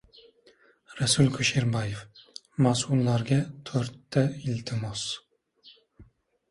Rasul Kusherbayev: «Mas’ullarga to‘rtta iltimos»